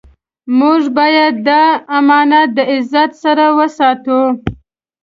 موږ باید دا امانت د عزت سره وساتو.